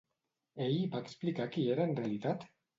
Ell va explicar qui era en realitat?